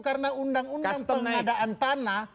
karena undang undang pengadaan tanah